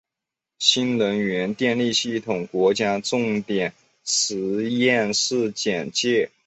新能源电力系统国家重点实验室简介